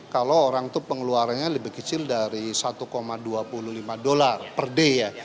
kalau orang itu pengeluarannya lebih kecil dari satu dua puluh lima dolar per day ya